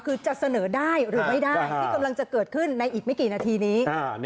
คือจะเสนอได้หรือไม่ได้ที่กำลังจะเกิดขึ้นในอีกไม่กี่นาทีนี้